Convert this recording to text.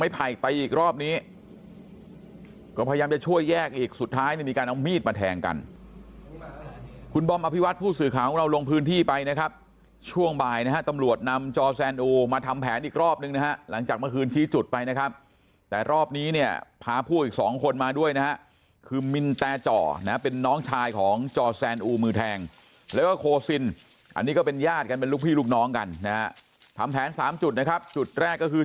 ไม่ผ่ายไปอีกรอบนี้ก็พยายามจะช่วยแยกอีกสุดท้ายในมีการเอามีดมาแทงกันคุณบอมอภิวัติผู้สื่อของเราลงพื้นที่ไปนะครับช่วงบ่ายนะฮะตำรวจนำจแซนอูมาทำแผนอีกรอบนึงนะฮะหลังจากเมื่อคืนชี้จุดไปนะครับแต่รอบนี้เนี่ยพาผู้อีกสองคนมาด้วยนะฮะคือมินแตจ่อนะเป็นน้องชายของจแซนอูมือแทงแล้วก็